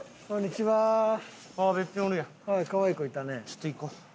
ちょっと行こう。